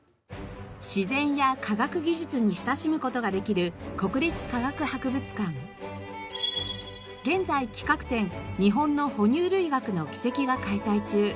自然や科学技術に親しむ事ができる現在企画展「日本の哺乳類学の軌跡」が開催中。